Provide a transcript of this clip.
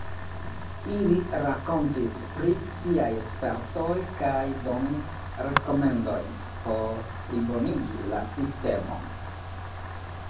Ili rakontis pri siaj spertoj kaj donis rekomendojn por plibonigi la sistemon.